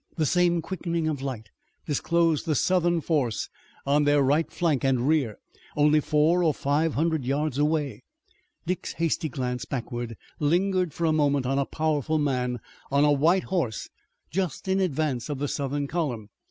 The same quickening of light disclosed the Southern force on their right flank and rear, only four or five hundred yards away. Dick's hasty glance backward lingered for a moment on a powerful man on a white horse just in advance of the Southern column.